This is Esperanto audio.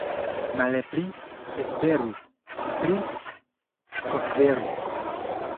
Malpli esperu, pli konsideru.